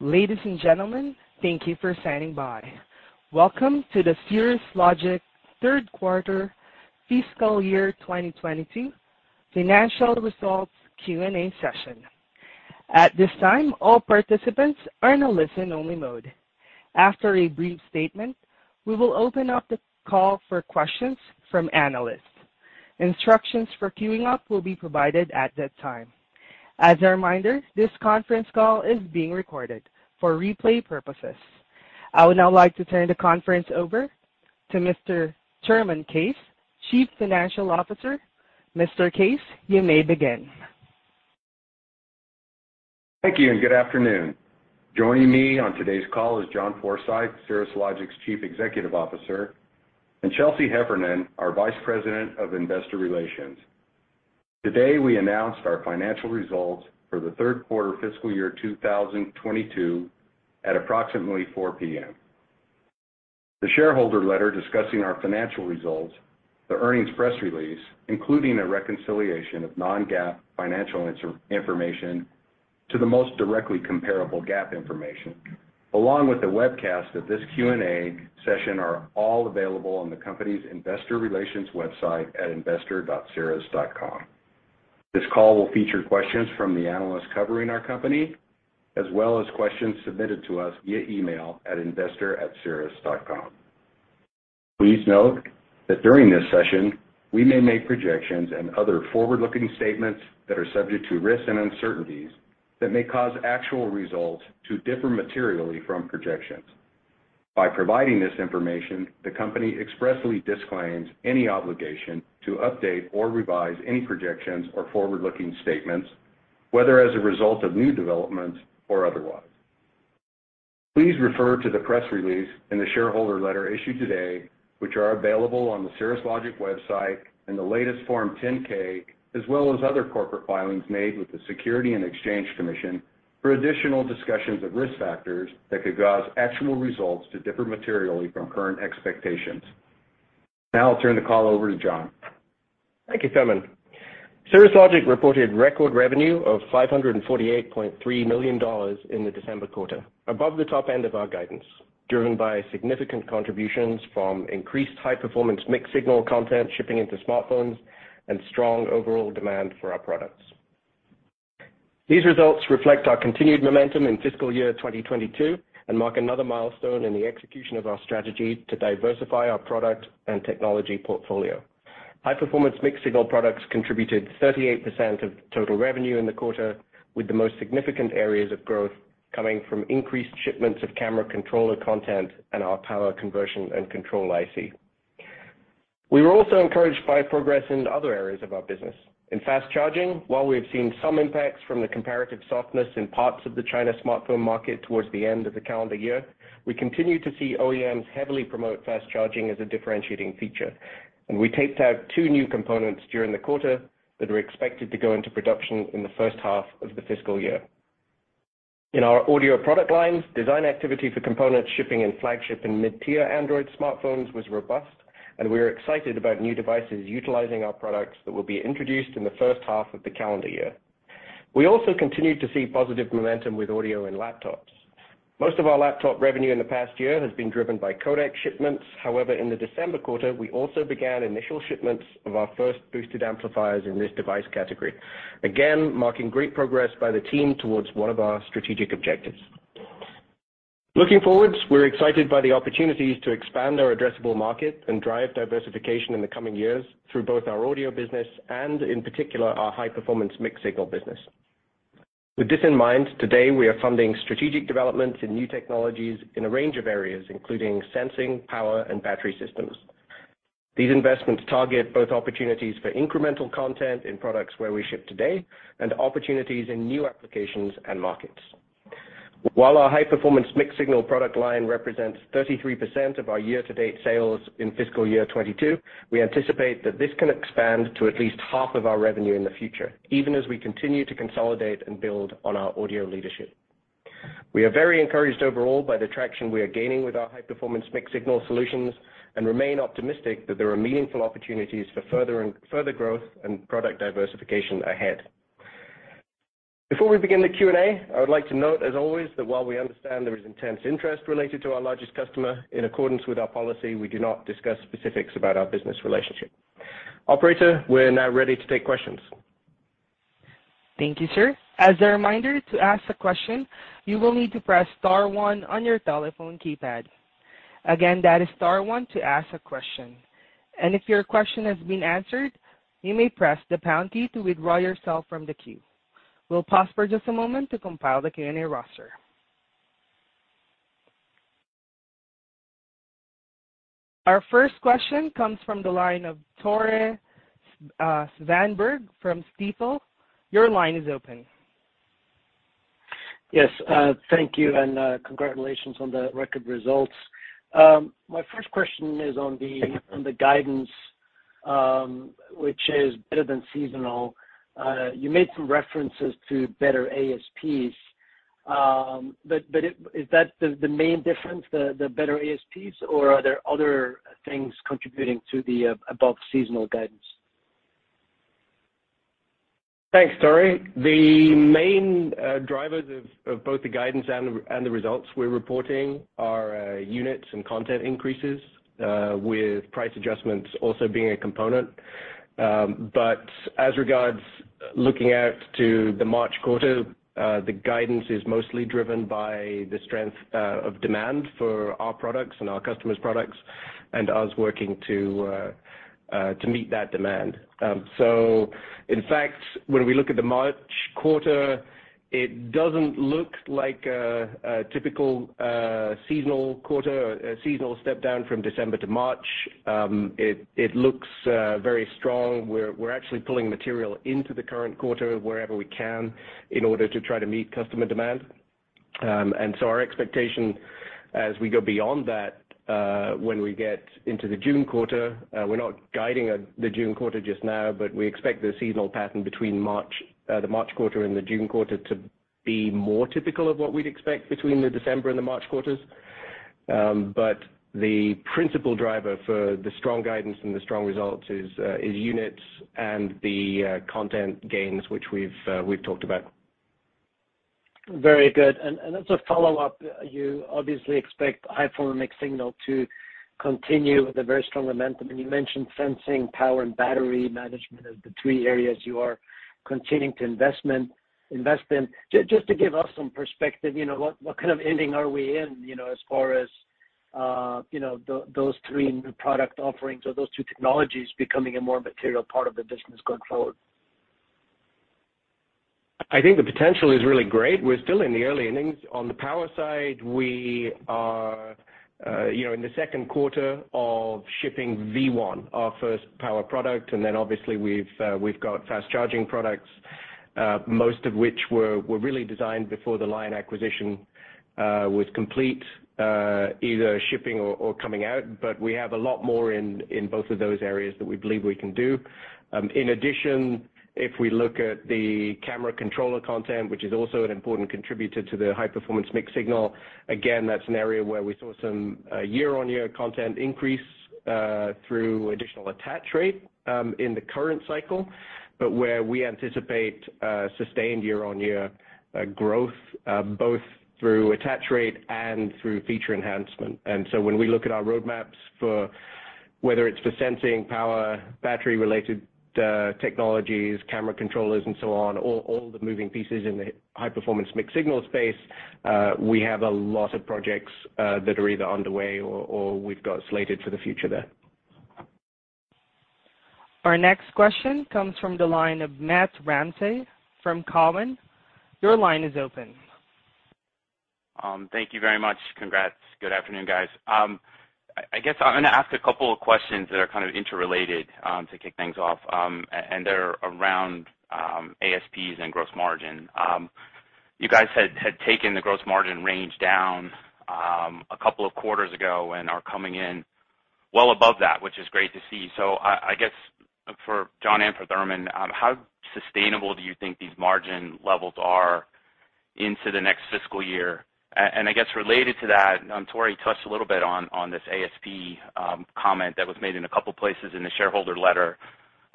Ladies and gentlemen, thank you for standing by. Welcome to the Cirrus Logic third quarter fiscal year 2022 financial results Q&A session. At this time, all participants are in a listen-only mode. After a brief statement, we will open up the call for questions from analysts. Instructions for queuing up will be provided at that time. As a reminder, this conference call is being recorded for replay purposes. I would now like to turn the conference over to Mr. Thurman Case, Chief Financial Officer. Mr. Case, you may begin. Thank you and good afternoon. Joining me on today's call is John Forsyth, Cirrus Logic's Chief Executive Officer, and Chelsea Heffernan, our Vice President of Investor Relations. Today, we announced our financial results for the third quarter fiscal year 2022 at approximately 4 P.M. The shareholder letter discussing our financial results, the earnings press release, including a reconciliation of non-GAAP financial information to the most directly comparable GAAP information, along with the webcast of this Q&A session, are all available on the company's investor relations website at investor.cirrus.com. This call will feature questions from the analysts covering our company, as well as questions submitted to us via email at investor@cirrus.com. Please note that during this session, we may make projections and other forward-looking statements that are subject to risks and uncertainties that may cause actual results to differ materially from projections. By providing this information, the company expressly disclaims any obligation to update or revise any projections or forward-looking statements, whether as a result of new developments or otherwise. Please refer to the press release and the shareholder letter issued today, which are available on the Cirrus Logic website and the latest Form 10-K, as well as other corporate filings made with the Securities and Exchange Commission for additional discussions of risk factors that could cause actual results to differ materially from current expectations. Now I'll turn the call over to John. Thank you, Thurman. Cirrus Logic reported record revenue of $548.3 million in the December quarter, above the top end of our guidance, driven by significant contributions from increased High-Performance Mixed-Signal content shipping into smartphones and strong overall demand for our products. These results reflect our continued momentum in fiscal year 2022 and mark another milestone in the execution of our strategy to diversify our product and technology portfolio. High-Performance Mixed-Signal products contributed 38% of total revenue in the quarter, with the most significant areas of growth coming from increased shipments of camera controller content and our power conversion and control IC. We were also encouraged by progress in other areas of our business. In fast charging, while we have seen some impacts from the comparative softness in parts of the China smartphone market towards the end of the calendar year, we continue to see OEMs heavily promote fast charging as a differentiating feature, and we taped out two new components during the quarter that are expected to go into production in the first half of the fiscal year. In our audio product lines, design activity for component shipping in flagship and mid-tier Android smartphones was robust, and we are excited about new devices utilizing our products that will be introduced in the first half of the calendar year. We also continued to see positive momentum with audio in laptops. Most of our laptop revenue in the past year has been driven by codec shipments. However, in the December quarter, we also began initial shipments of our first boosted amplifiers in this device category. Marking great progress by the team towards one of our strategic objectives. Looking forward, we're excited by the opportunities to expand our addressable market and drive diversification in the coming years through both our audio business and in particular, our High-Performance Mixed-Signal business. With this in mind, today we are funding strategic developments in new technologies in a range of areas, including sensing, power, and battery systems. These investments target both opportunities for incremental content in products where we ship today and opportunities in new applications and markets. While our High-Performance Mixed-Signal product line represents 33% of our year-to-date sales in fiscal year 2022, we anticipate that this can expand to at least half of our revenue in the future, even as we continue to consolidate and build on our audio leadership. We are very encouraged overall by the traction we are gaining with our High-Performance Mixed-Signal solutions and remain optimistic that there are meaningful opportunities for further growth and product diversification ahead. Before we begin the Q&A, I would like to note, as always, that while we understand there is intense interest related to our largest customer, in accordance with our policy, we do not discuss specifics about our business relationship. Operator, we're now ready to take questions. Thank you, sir. As a reminder, to ask a question, you will need to press star one on your telephone keypad. Again, that is star one to ask a question. If your question has been answered, you may press the pound key to withdraw yourself from the queue. We'll pause for just a moment to compile the Q&A roster. Our first question comes from the line of Tore Svanberg from Stifel. Your line is open. Yes, thank you and congratulations on the record results. My first question is on the guidance, which is better than seasonal. You made some references to better ASPs, but is that the main difference, the better ASPs or are there other things contributing to the above seasonal guidance? Thanks, Tory. The main drivers of both the guidance and the results we're reporting are units and content increases with price adjustments also being a component. As regards looking out to the March quarter, the guidance is mostly driven by the strength of demand for our products and our customers' products and us working to meet that demand. In fact, when we look at the March quarter, it doesn't look like a typical seasonal quarter, a seasonal step down from December to March. It looks very strong. We're actually pulling material into the current quarter wherever we can in order to try to meet customer demand. Our expectation as we go beyond that, when we get into the June quarter, we're not guiding the June quarter just now, but we expect the seasonal pattern between the March quarter and the June quarter to be more typical of what we'd expect between the December and the March quarters. The principal driver for the strong guidance and the strong results is units and the content gains, which we've talked about. Very good. As a follow-up, you obviously expect high-performance mixed-signal to continue with a very strong momentum. You mentioned sensing, power and battery management as the three areas you are continuing to invest in. Just to give us some perspective, you know, what kind of inning are we in, you know, as far as those three new product offerings or those two technologies becoming a more material part of the business going forward? I think the potential is really great. We're still in the early innings. On the power side, we are, you know, in the second quarter of shipping V1, our first power product. Obviously we've got fast charging products, most of which were really designed before the Lion acquisition was complete, either shipping or coming out. We have a lot more in both of those areas that we believe we can do. In addition, if we look at the camera controller content, which is also an important contributor to the High-Performance Mixed-Signal, again, that's an area where we saw some year-on-year content increase through additional attach rate in the current cycle, but where we anticipate sustained year-on-year growth both through attach rate and through feature enhancement. When we look at our roadmaps for whether it's for sensing power, battery related technologies, camera controllers and so on, all the moving pieces in the High-Performance Mixed-Signal space, we have a lot of projects that are either underway or we've got slated for the future there. Our next question comes from the line of Matthew Ramsay from Cowen. Your line is open. Thank you very much. Congrats. Good afternoon, guys. I guess I'm gonna ask a couple of questions that are kind of interrelated, to kick things off, and they're around ASPs and gross margin. You guys had taken the gross margin range down, a couple of quarters ago and are coming in well above that, which is great to see. I guess for John and for Thurman, how sustainable do you think these margin levels are into the next fiscal year? I guess related to that, Tore touched a little bit on this ASP comment that was made in a couple places in the shareholder letter.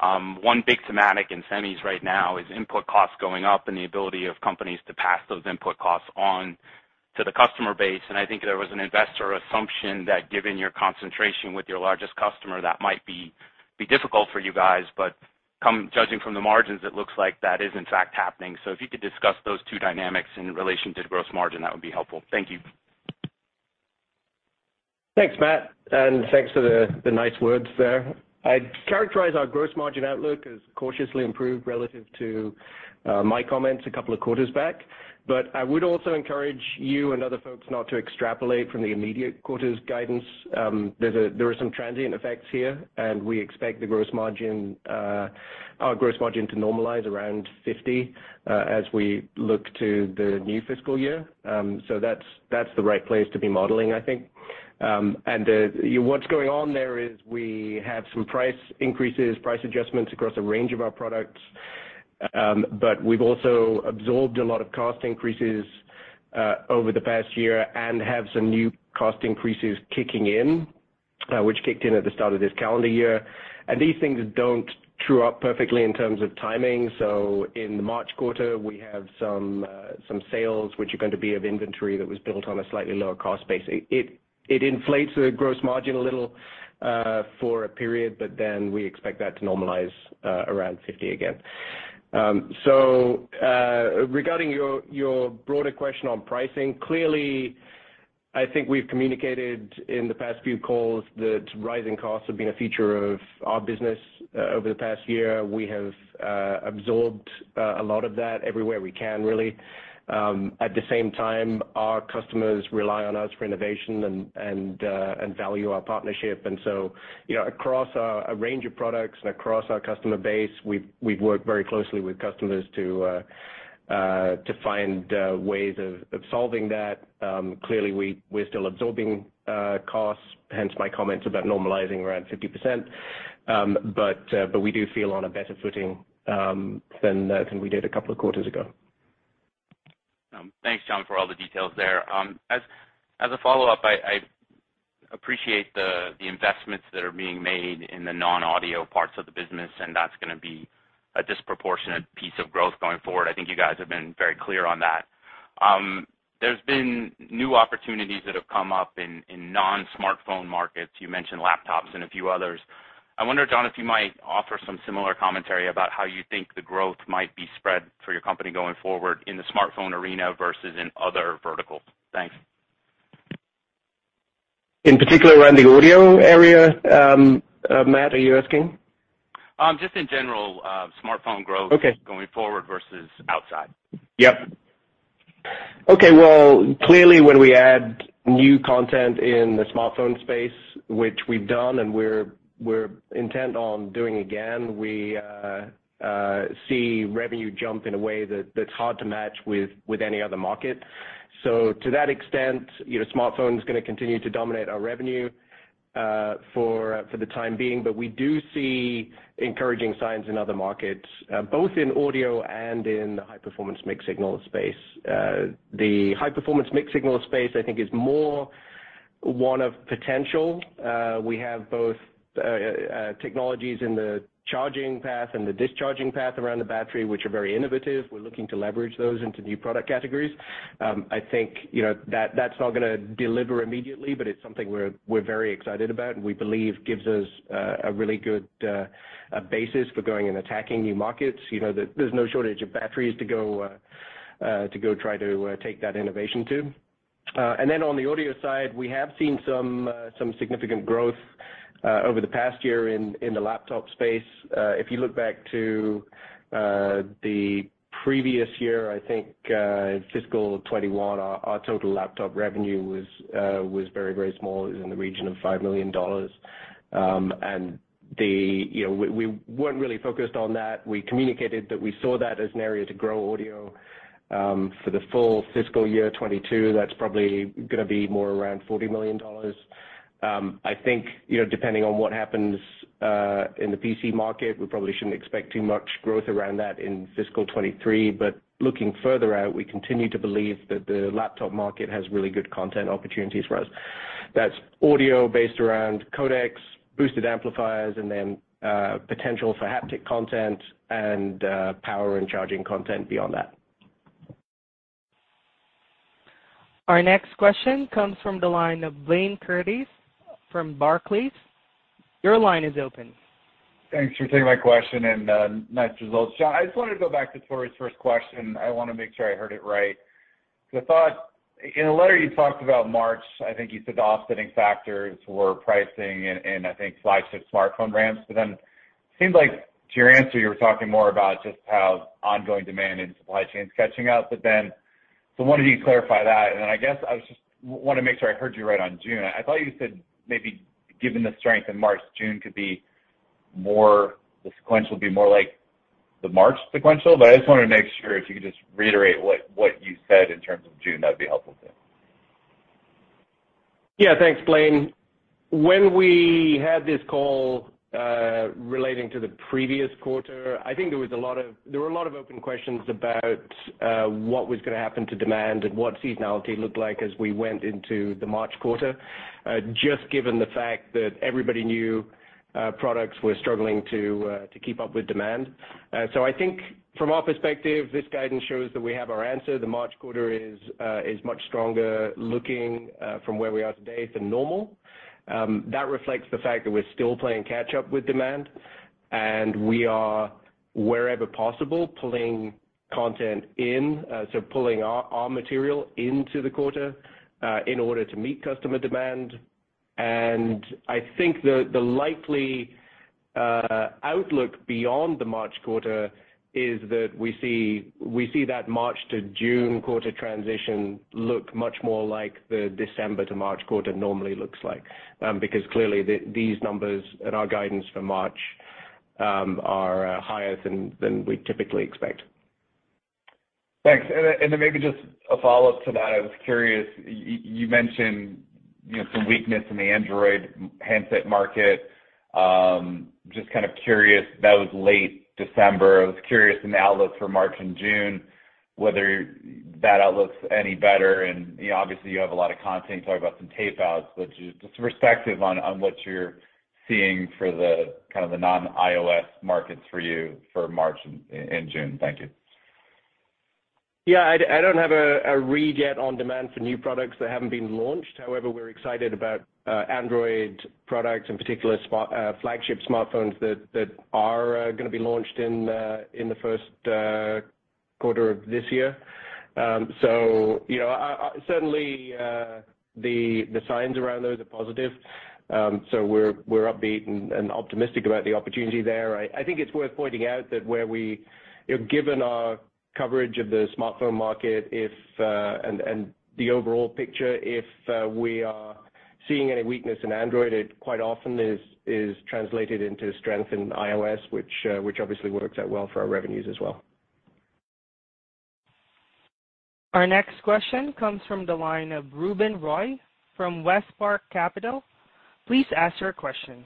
One big thematic in semis right now is input costs going up and the ability of companies to pass those input costs on to the customer base. I think there was an investor assumption that given your concentration with your largest customer, that might be difficult for you guys. Judging from the margins, it looks like that is in fact happening. If you could discuss those two dynamics in relation to gross margin, that would be helpful. Thank you. Thanks, Matt, and thanks for the nice words there. I'd characterize our gross margin outlook as cautiously improved relative to my comments a couple of quarters back. I would also encourage you and other folks not to extrapolate from the immediate quarter's guidance. There are some transient effects here, and we expect our gross margin to normalize around 50% as we look to the new fiscal year. That's the right place to be modeling, I think. What's going on there is we have some price increases, price adjustments across a range of our products. We've also absorbed a lot of cost increases over the past year and have some new cost increases kicking in, which kicked in at the start of this calendar year. These things don't true up perfectly in terms of timing. In the March quarter, we have some sales, which are going to be of inventory that was built on a slightly lower cost base. It inflates the gross margin a little for a period, but then we expect that to normalize around 50% again. Regarding your broader question on pricing, clearly, I think we've communicated in the past few calls that rising costs have been a feature of our business over the past year. We have absorbed a lot of that everywhere we can really. At the same time, our customers rely on us for innovation and value our partnership. You know, across a range of products and across our customer base, we've worked very closely with customers to find ways of solving that. Clearly, we're still absorbing costs, hence my comments about normalizing around 50%. But we do feel on a better footing than we did a couple of quarters ago. Thanks, John, for all the details there. As a follow-up, I appreciate the investments that are being made in the non-audio parts of the business, and that's gonna be a disproportionate piece of growth going forward. I think you guys have been very clear on that. There's been new opportunities that have come up in non-smartphone markets. You mentioned laptops and a few others. I wonder, John, if you might offer some similar commentary about how you think the growth might be spread for your company going forward in the smartphone arena versus in other verticals. Thanks. In particular around the audio area, Matt, are you asking? Just in general, smartphone growth-. Okay. going forward versus outside. Yep. Okay. Well, clearly, when we add new content in the smartphone space, which we've done and we're intent on doing again, we see revenue jump in a way that's hard to match with any other market. To that extent, you know, smartphone's gonna continue to dominate our revenue for the time being. We do see encouraging signs in other markets, both in audio and in the High-Performance Mixed-Signal space. The High-Performance Mixed-Signal space, I think, is more one of potential. We have both technologies in the charging path and the discharging path around the battery, which are very innovative. We're looking to leverage those into new product categories. I think, you know, that's not gonna deliver immediately, but it's something we're very excited about and we believe gives us a really good basis for going and attacking new markets. You know, there's no shortage of batteries to go try to take that innovation to. On the audio side, we have seen some significant growth over the past year in the laptop space. If you look back to the previous year, I think, in fiscal 2021, our total laptop revenue was very, very small, it was in the region of $5 million. You know, we weren't really focused on that. We communicated that we saw that as an area to grow audio. For the full fiscal year 2022, that's probably gonna be more around $40 million. I think, you know, depending on what happens, in the PC market, we probably shouldn't expect too much growth around that in fiscal 2023. Looking further out, we continue to believe that the laptop market has really good content opportunities for us. That's audio based around codecs, boosted amplifiers, and then, potential for haptic content and, power and charging content beyond that. Our next question comes from the line of Blayne Curtis from Barclays. Your line is open. Thanks for taking my question and nice results. John, I just wanted to go back to Tore's first question. I wanna make sure I heard it right. In a letter you talked about March, I think you said the offsetting factors were pricing and I think flagship smartphone ramps. It seems like to your answer, you were talking more about just how ongoing demand and supply chain is catching up. Why don't you clarify that? Wanna make sure I heard you right on June. I thought you said maybe given the strength in March, June could be the sequential would be more like the March sequential. I just wanna make sure if you could just reiterate what you said in terms of June, that'd be helpful too. Yeah. Thanks, Blayne. When we had this call relating to the previous quarter, I think there were a lot of open questions about what was gonna happen to demand and what seasonality looked like as we went into the March quarter, just given the fact that everybody knew products were struggling to keep up with demand. So I think from our perspective, this guidance shows that we have our answer. The March quarter is much stronger looking from where we are today than normal. That reflects the fact that we're still playing catch up with demand, and we are, wherever possible, pulling content in, so pulling our material into the quarter in order to meet customer demand. I think the likely outlook beyond the March quarter is that we see that March to June quarter transition look much more like the December to March quarter normally looks like. Because clearly these numbers and our guidance for March are higher than we'd typically expect. Thanks. Maybe just a follow-up to that. I was curious. You mentioned, you know, some weakness in the Android handset market. Just kind of curious, that was late December. I was curious about the outlook for March and June, whether that outlook's any better. You know, obviously you have a lot of content. You talk about some tape outs. But just perspective on what you're seeing for the kind of the non-iOS markets for you for March and June. Thank you. Yeah. I don't have a read yet on demand for new products that haven't been launched. However, we're excited about Android products, in particular flagship smartphones that are gonna be launched in the first quarter of this year. You know, certainly the signs around those are positive. We're upbeat and optimistic about the opportunity there. I think it's worth pointing out that you know, given our coverage of the smartphone market, and the overall picture, if we are seeing any weakness in Android, it quite often is translated into strength in iOS, which obviously works out well for our revenues as well. Our next question comes from the line of Ruben Roy from WestPark Capital. Please ask your question.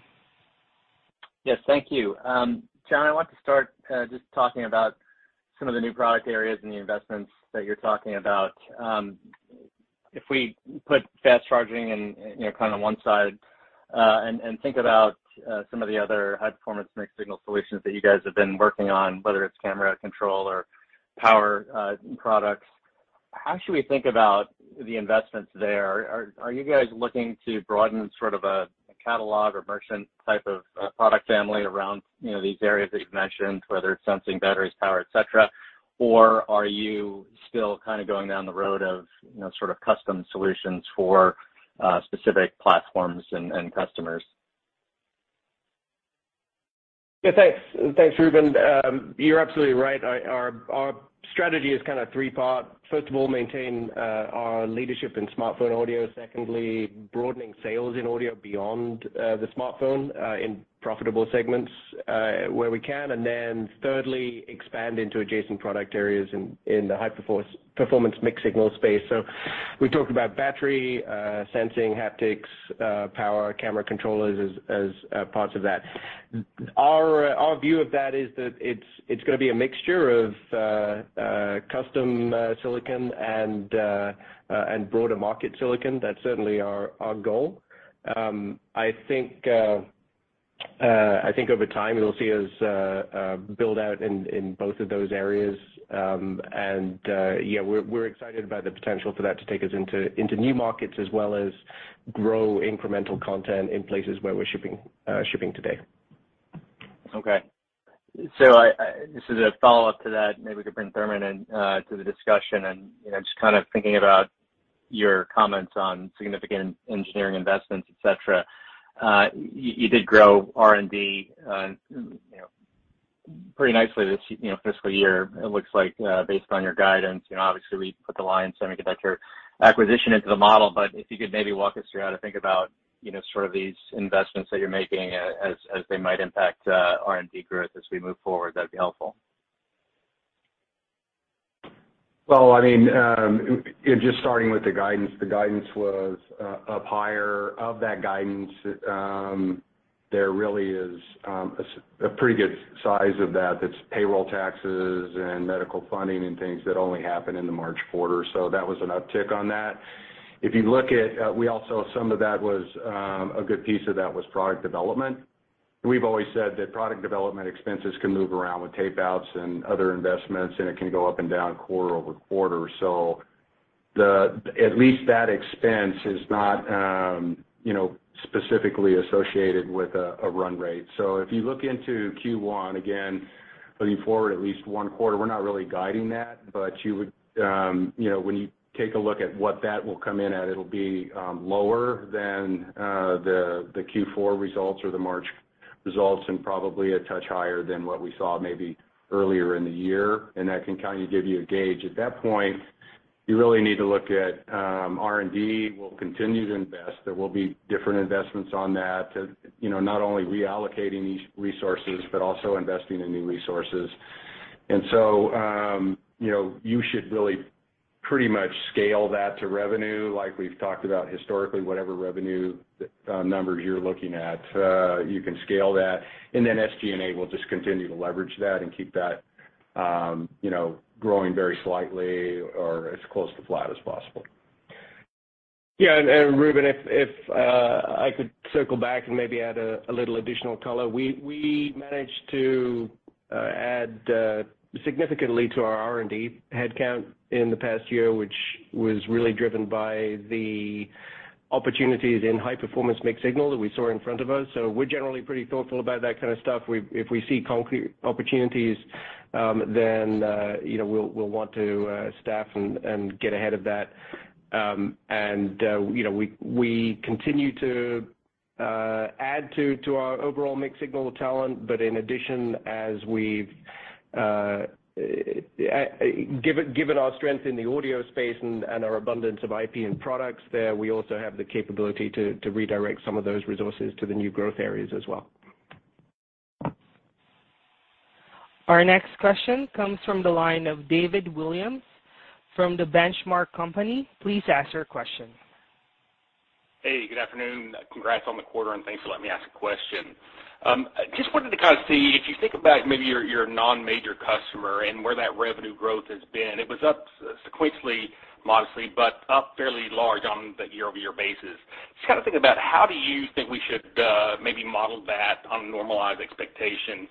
Yes, thank you. John, I want to start just talking about some of the new product areas and the investments that you're talking about. If we put fast charging and, you know, kind of one side, and think about some of the other High-Performance Mixed-Signal solutions that you guys have been working on, whether it's camera control or power products, how should we think about the investments there? Are you guys looking to broaden sort of a catalog or merchant type of product family around, you know, these areas that you've mentioned, whether it's sensing batteries, power, et cetera? Or are you still kind of going down the road of, you know, sort of custom solutions for specific platforms and customers? Yeah, thanks. Thanks, Ruben. You're absolutely right. Our strategy is kind of three-part. First of all, maintain our leadership in smartphone audio. Secondly, broadening sales in audio beyond the smartphone in profitable segments where we can. Thirdly, expand into adjacent product areas in the high-performance mixed-signal space. We talked about battery sensing, haptics, power, camera controllers as parts of that. Our view of that is that it's gonna be a mixture of custom silicon and broader market silicon. That's certainly our goal. I think over time, you'll see us build out in both of those areas. We're excited about the potential for that to take us into new markets as well as grow incremental content in places where we're shipping today. Okay. This is a follow-up to that, maybe we could bring Thurman in to the discussion and, you know, just kind of thinking about your comments on significant engineering investments, et cetera. You did grow R&D, you know, pretty nicely this, you know, fiscal year, it looks like, based on your guidance. You know, obviously, we put the Lion Semiconductor acquisition into the model. If you could maybe walk us through how to think about, you know, sort of these investments that you're making as they might impact, R&D growth as we move forward, that'd be helpful. Well, I mean, just starting with the guidance, the guidance was up higher. Of that guidance, there really is a pretty good size of that that's payroll taxes and medical funding and things that only happen in the March quarter. That was an uptick on that. If you look at, some of that was a good piece of that was product development. We've always said that product development expenses can move around with tape outs and other investments, and it can go up and down quarter-over-quarter. At least that expense is not, you know, specifically associated with a run rate. If you look into Q1, again, looking forward at least one quarter, we're not really guiding that. You would, you know, when you take a look at what that will come in at, it'll be lower than the Q4 results or the March results and probably a touch higher than what we saw maybe earlier in the year, and that can kind of give you a gauge. At that point, you really need to look at R&D. We'll continue to invest. There will be different investments on that to, you know, not only reallocating these resources, but also investing in new resources. You know, you should really pretty much scale that to revenue like we've talked about historically. Whatever revenue numbers you're looking at, you can scale that. SG&A will just continue to leverage that and keep that, you know, growing very slightly or as close to flat as possible. Ruben, if I could circle back and maybe add a little additional color. We managed to add significantly to our R&D headcount in the past year, which was really driven by the opportunities in High-Performance Mixed-Signal that we saw in front of us. We're generally pretty thoughtful about that kind of stuff. If we see concrete opportunities, then you know, we'll want to staff and get ahead of that. You know, we continue to add to our overall Mixed-Signal talent. But in addition, as we've given our strength in the audio space and our abundance of IP and products there, we also have the capability to redirect some of those resources to the new growth areas as well. Our next question comes from the line of David Williams from The Benchmark Company. Please ask your question. Hey, good afternoon. Congrats on the quarter, and thanks for letting me ask a question. Just wanted to kind of see, if you think about maybe your non-major customer and where that revenue growth has been, it was up sequentially, modestly, but up fairly large on the year-over-year basis. Just kind of think about how do you think we should maybe model that on normalized expectation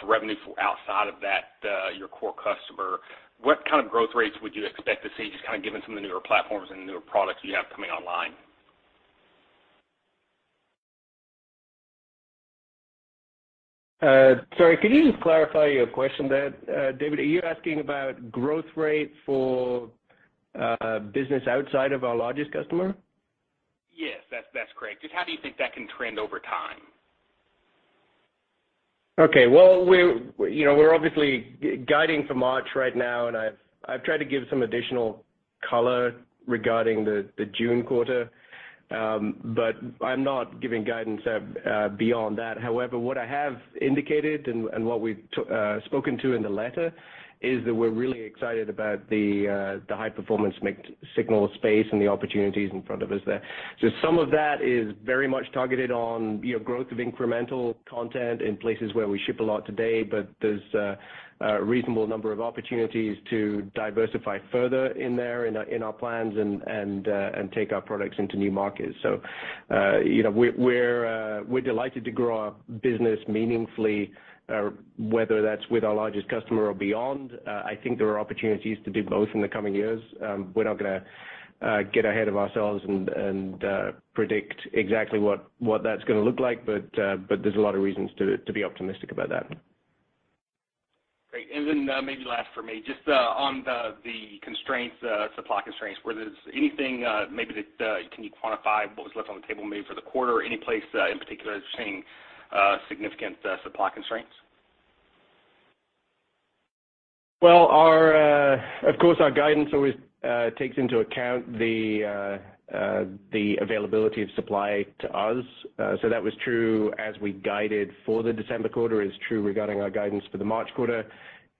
for revenue for outside of that your core customer? What kind of growth rates would you expect to see, just kind of given some of the newer platforms and newer products you have coming online? Sorry, could you just clarify your question there, David? Are you asking about growth rate for business outside of our largest customer? Yes, that's correct. Just how do you think that can trend over time? Okay. Well, you know, we're obviously guiding for March right now, and I've tried to give some additional color regarding the June quarter. I'm not giving guidance beyond that. However, what I have indicated and what we've spoken to in the letter is that we're really excited about the High-Performance Mixed-Signal space and the opportunities in front of us there. Some of that is very much targeted on, you know, growth of incremental content in places where we ship a lot today, but there's a reasonable number of opportunities to diversify further in there in our plans and take our products into new markets. You know, we're delighted to grow our business meaningfully, whether that's with our largest customer or beyond. I think there are opportunities to do both in the coming years. We're not gonna get ahead of ourselves and predict exactly what that's gonna look like, but there's a lot of reasons to be optimistic about that. Great. Maybe last for me, just on the constraints, supply constraints, were there anything, maybe that, can you quantify what was left on the table maybe for the quarter? Any place, in particular that you're seeing, significant supply constraints? Well, of course, our guidance always takes into account the availability of supply to us. That was true as we guided for the December quarter. That is true regarding our guidance for the March quarter.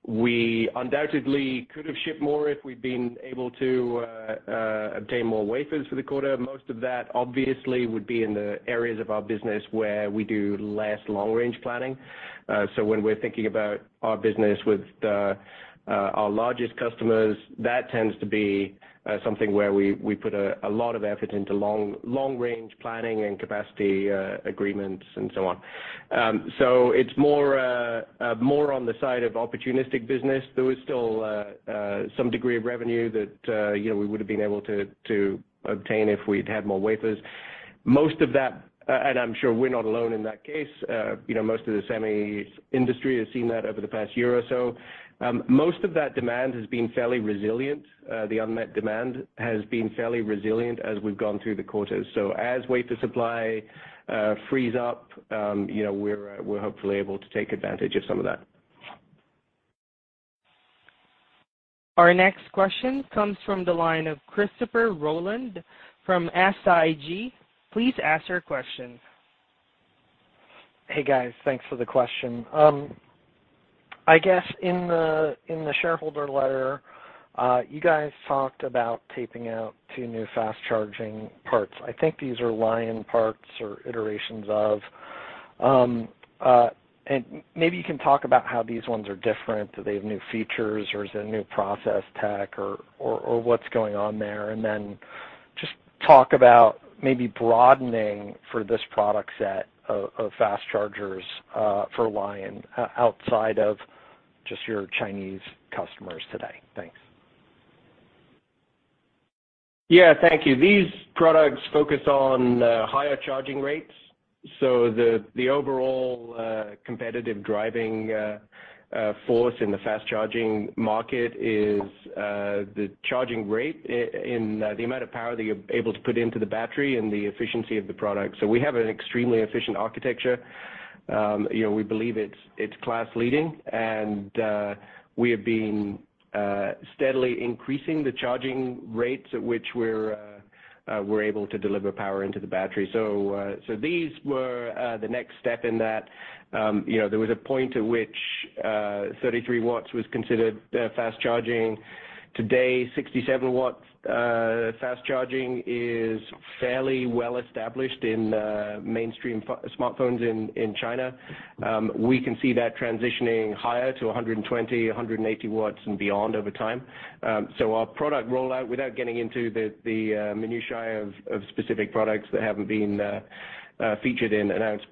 We undoubtedly could have shipped more if we'd been able to obtain more wafers for the quarter. Most of that obviously would be in the areas of our business where we do less long-range planning. When we're thinking about our business with our largest customers, that tends to be something where we put a lot of effort into long-range planning and capacity agreements and so on. It's more on the side of opportunistic business. There was still some degree of revenue that, you know, we would have been able to obtain if we'd had more wafers. Most of that, and I'm sure we're not alone in that case, you know, most of the semi industry has seen that over the past year or so. Most of that demand has been fairly resilient. The unmet demand has been fairly resilient as we've gone through the quarters. As wafer supply frees up, you know, we're hopefully able to take advantage of some of that. Our next question comes from the line of Christopher Rolland from SIG. Please ask your question. Hey, guys. Thanks for the question. I guess in the shareholder letter, you guys talked about taping out two new fast-charging parts. I think these are Lion parts or iterations of. Maybe you can talk about how these ones are different. Do they have new features, or is it a new process tech or what's going on there? Just talk about maybe broadening for this product set of fast chargers for Lion outside of just your Chinese customers today. Thanks. Yeah, thank you. These products focus on higher charging rates. The overall competitive driving force in the fast-charging market is the charging rate in the amount of power that you're able to put into the battery and the efficiency of the product. We have an extremely efficient architecture. You know, we believe it's class-leading, and we have been steadily increasing the charging rates at which we're able to deliver power into the battery. These were the next step in that. You know, there was a point at which 33 watts was considered fast charging. Today, 67 watts fast charging is fairly well established in mainstream flagship smartphones in China. We can see that transitioning higher to 120 watts, 180 watts and beyond over time. Our product rollout, without getting into the minutiae of specific products that haven't been featured in announced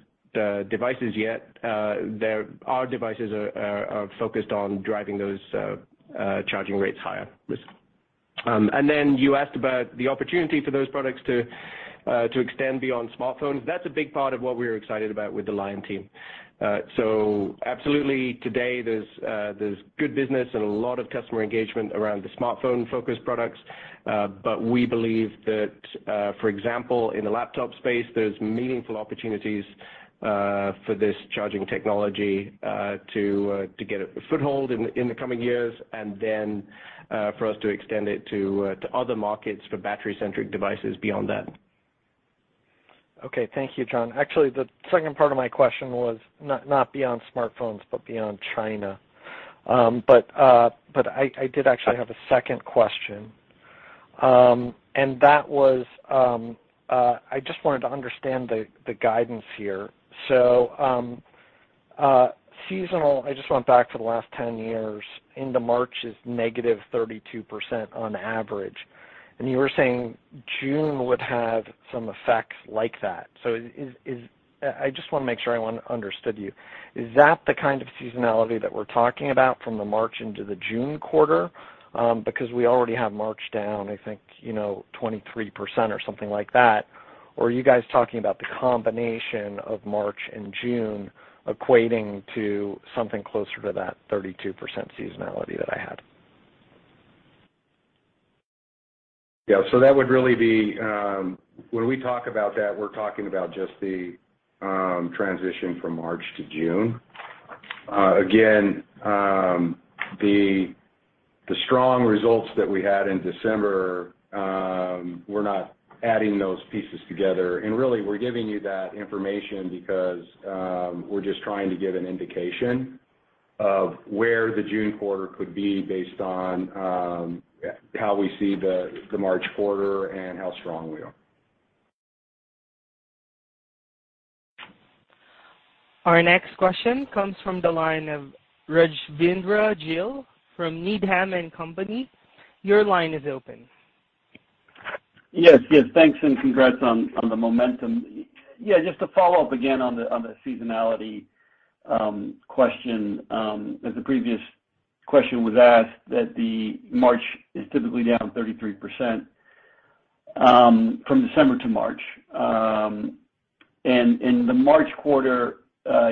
devices yet, our devices are focused on driving those charging rates higher. Then you asked about the opportunity for those products to extend beyond smartphones. That's a big part of what we're excited about with the Lion team. Absolutely, today there's good business and a lot of customer engagement around the smartphone-focused products. We believe that, for example, in the laptop space, there's meaningful opportunities for this charging technology to get a foothold in the coming years, and then for us to extend it to other markets for battery-centric devices beyond that. Okay. Thank you, John. Actually, the second part of my question was not beyond smartphones, but beyond China. I did actually have a second question. That was, I just wanted to understand the guidance here. Seasonally, I just went back for the last 10 years into March is -32% on average. You were saying June would have some effects like that. I just wanna make sure I understood you. Is that the kind of seasonality that we're talking about from the March into the June quarter? Because we already have March down, I think, you know, 23% or something like that. Or are you guys talking about the combination of March and June equating to something closer to that 32% seasonality that I had? Yeah. That would really be when we talk about that. We're talking about just the transition from March to June. Again, the strong results that we had in December, we're not adding those pieces together. Really we're giving you that information because, we're just trying to give an indication of where the June quarter could be based on, how we see the March quarter and how strong we are. Our next question comes from the line of Rajvindra Gill from Needham & Company. Your line is open. Yes, thanks, and congrats on the momentum. Yeah, just to follow up again on the seasonality question, as the previous question was asked that the March is typically down 33% from December to March. In the March quarter,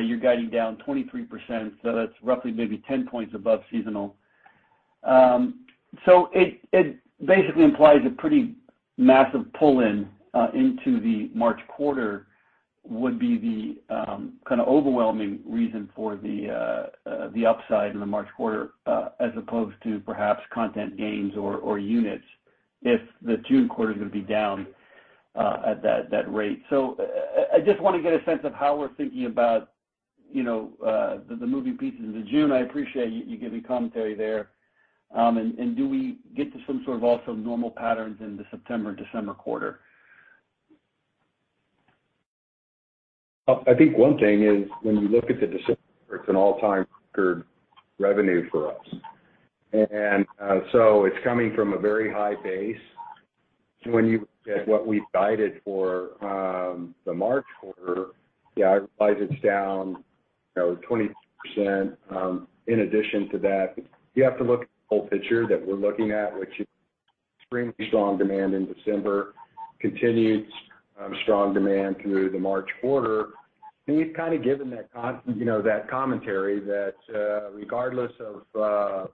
you're guiding down 23%, so that's roughly maybe 10 points above seasonal. It basically implies a pretty massive pull-in into the March quarter would be the kind of overwhelming reason for the upside in the March quarter, as opposed to perhaps content gains or units if the June quarter is gonna be down at that rate. I just wanna get a sense of how we're thinking about, you know, the moving pieces into June. I appreciate you giving commentary there. Do we get to some sort of also normal patterns in the September, December quarter? I think one thing is when you look at the December, it's an all-time record revenue for us. So it's coming from a very high base. When you look at what we guided for, the March quarter, yeah, I realize it's down, you know, 23%. In addition to that, you have to look at the whole picture that we're looking at, which is extremely strong demand in December, continued strong demand through the March quarter. We've kind of given that commentary that, regardless of,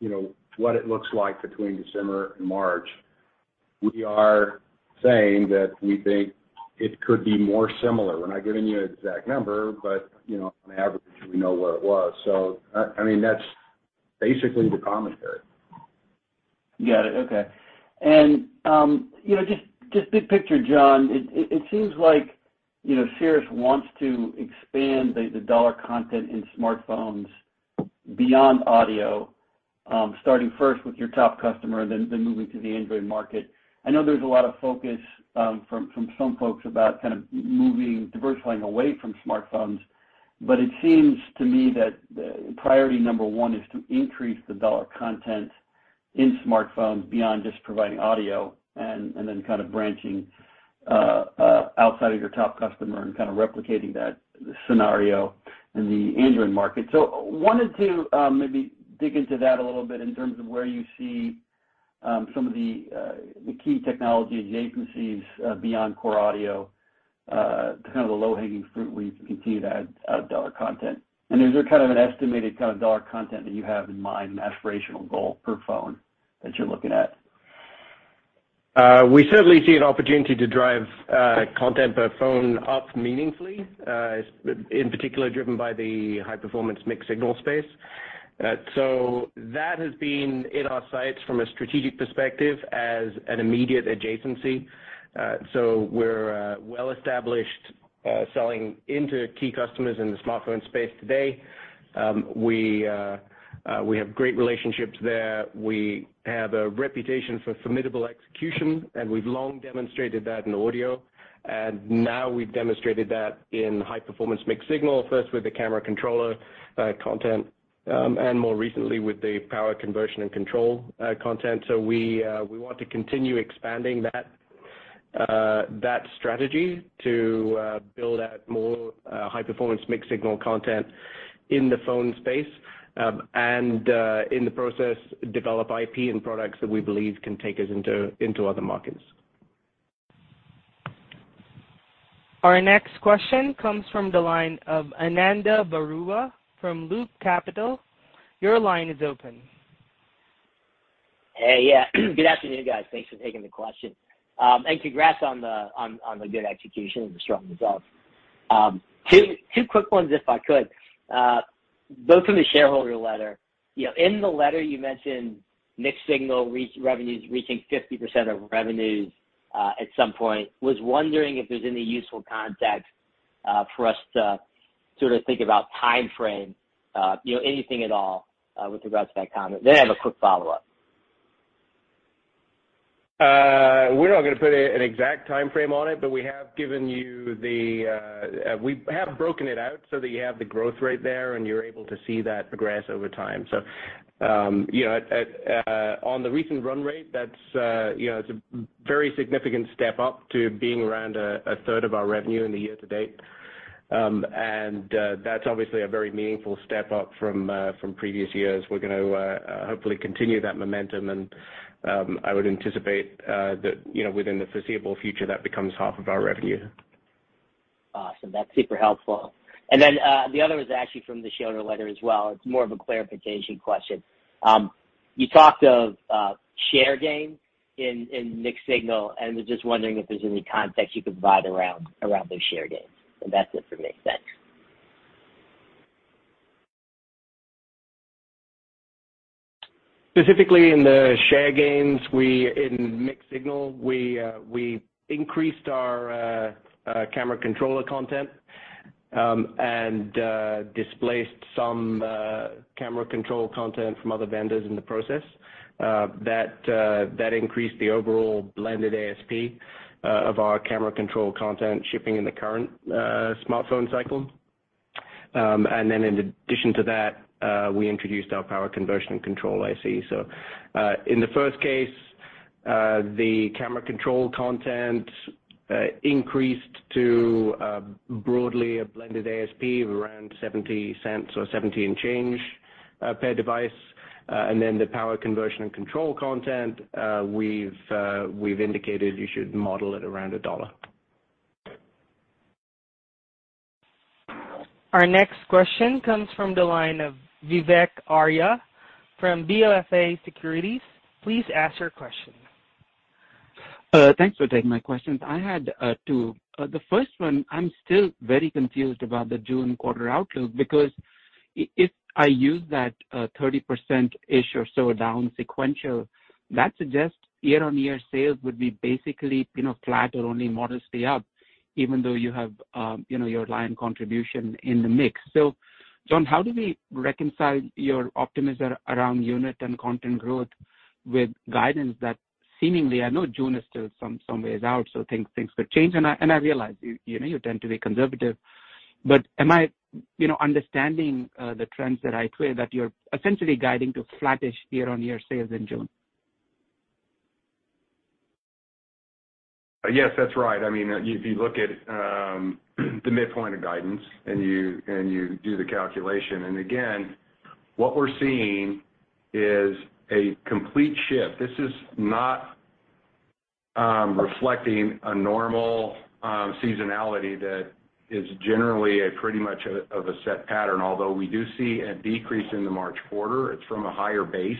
you know, what it looks like between December and March, we are saying that we think it could be more similar. We're not giving you an exact number, but, you know, on average, we know what it was. I mean, that's basically the commentary. Got it. Okay. You know, just big picture, John, it seems like, you know, Cirrus wants to expand the dollar content in smartphones beyond audio, starting first with your top customer, then moving to the Android market. I know there's a lot of focus from some folks about kind of moving, diversifying away from smartphones, but it seems to me that priority number one is to increase the dollar content in smartphones beyond just providing audio and then kind of branching outside of your top customer and kind of replicating that scenario in the Android market. Wanted to maybe dig into that a little bit in terms of where you see some of the key technology adjacencies beyond core audio to kind of the low-hanging fruit where you can continue to add dollar content. Is there kind of an estimated kind of dollar content that you have in mind, an aspirational goal per phone that you're looking at? We certainly see an opportunity to drive content per phone up meaningfully, in particular driven by the High-Performance Mixed-Signal space. That has been in our sights from a strategic perspective as an immediate adjacency. We're well established selling into key customers in the smartphone space today. We have great relationships there. We have a reputation for formidable execution, and we've long demonstrated that in audio. Now we've demonstrated that in High-Performance Mixed-Signal, first with the camera controller content, and more recently with the power conversion and control content. We want to continue expanding that strategy to build out more high-performance mixed-signal content in the phone space, and in the process, develop IP and products that we believe can take us into other markets. Our next question comes from the line of Ananda Baruah from Loop Capital. Your line is open. Good afternoon, guys. Thanks for taking the question. And congrats on the good execution and the strong results. Two quick ones, if I could, both from the shareholder letter. You know, in the letter you mentioned mixed signal revenues reaching 50% of revenues at some point. Was wondering if there's any useful context for us to sort of think about timeframe, you know, anything at all, with regards to that comment. Then I have a quick follow-up. We're not gonna put an exact timeframe on it, but we have broken it out so that you have the growth rate there, and you're able to see that progress over time. You know, on the recent run rate, that's you know, it's a very significant step up to being around 1/3 of our revenue in the year to date. That's obviously a very meaningful step up from previous years. We're gonna hopefully continue that momentum, and I would anticipate that you know, within the foreseeable future, that becomes 1/2 of our revenue. Awesome. That's super helpful. The other was actually from the shareholder letter as well. It's more of a clarification question. You talked of share gains in mixed signal, and was just wondering if there's any context you could provide around those share gains. If that makes sense. Specifically in the share gains, in mixed signal, we increased our camera controller content and displaced some camera controller content from other vendors in the process. That increased the overall blended ASP of our camera controller content shipping in the current smartphone cycle. In addition to that, we introduced our power conversion and control IC. In the first case, the camera controller content increased to broadly a blended ASP of around $0.70 or $0.70 and change per device. The power conversion and control content, we've indicated you should model it around $1. Our next question comes from the line of Vivek Arya from BofA Securities. Please ask your question. Thanks for taking my questions. I had two. The first one, I'm still very confused about the June quarter outlook because if I use that 30%-ish or so down sequential, that suggests year-on-year sales would be basically, you know, flat or only modestly up, even though you have, you know, your line contribution in the mix. John, how do we reconcile your optimism around unit and content growth with guidance that seemingly I know June is still some ways out, so things could change, and I realize you know you tend to be conservative, but am I understanding the trends the right way that you're essentially guiding to flattish year-on-year sales in June? Yes, that's right. I mean, if you look at the midpoint of guidance and you do the calculation, and again, what we're seeing is a complete shift. This is not reflecting a normal seasonality that is generally pretty much of a set pattern, although we do see a decrease in the March quarter; it's from a higher base.